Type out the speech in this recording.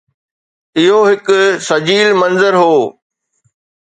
اهو هڪ سجيل منظر هو